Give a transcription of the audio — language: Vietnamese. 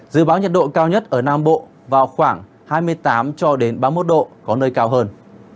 dự báo nhiệt độ cao nhất ở nam bộ vào khoảng hai mươi tám cho đến ba mươi một độ có nơi cao hơn